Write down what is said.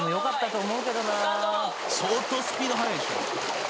相当スピード速いでしょ。